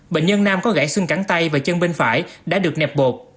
bệnh nhân nam có gãy xương cắn tay và chân bên phải đã được nẹp bột